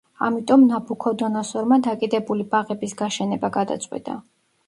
ამიტომ ნაბუქოდონოსორმა დაკიდებული ბაღების გაშენება გადაწყვიტა.